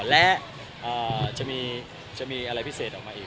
และจะมีอะไรพิเศษออกมาอีก